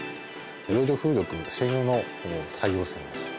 洋上風力専用の作業船です。